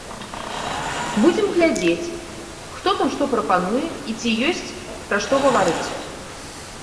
Будзем глядзець, хто там што прапануе, і ці ёсць пра што гаварыць.